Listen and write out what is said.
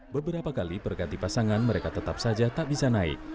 beberapa kali berganti pasangan mereka tetap saja tak bisa naik